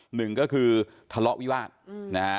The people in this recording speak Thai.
หนึ่งก็คือทะเลาะวิวาสนะฮะ